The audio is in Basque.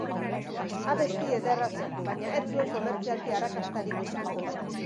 Abesti ederra zen, baina ez zuen komertzialki arrakastarik izan.